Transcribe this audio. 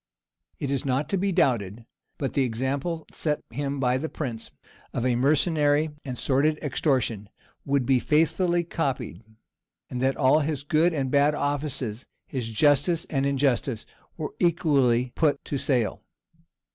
[*] It is not to be doubted but the example set him by the prince, of a mercenary and sordid extortion, would be faithfully copied; and that all his good and bad offices, his justice and injustice, were equally put to sale.